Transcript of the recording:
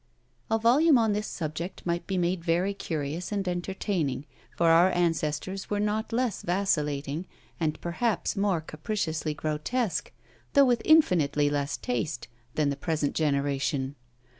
A volume on this subject might be made very curious and entertaining, for our ancestors were not less vacillating, and perhaps more capriciously grotesque, though with infinitely less taste, than the present generation.